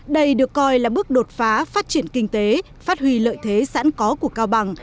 đây được coi là bước đột phá phát triển kinh tế phát huy lợi thế sẵn có của cao bằng